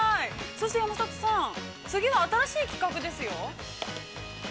そして、山里さん、次は新しい企画ですよ。